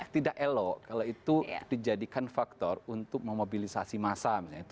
tidak elok kalau itu dijadikan faktor untuk memobilisasi massa itu